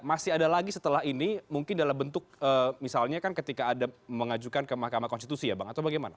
masih ada lagi setelah ini mungkin dalam bentuk misalnya kan ketika ada mengajukan ke mahkamah konstitusi ya bang atau bagaimana